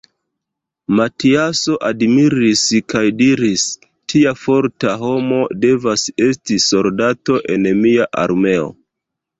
Matiaso admiris kaj diris: Tia forta homo devas esti soldato en mia armeo.